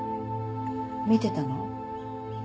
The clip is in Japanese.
見てたの？